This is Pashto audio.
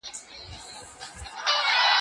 زه له سهاره مړۍ خورم،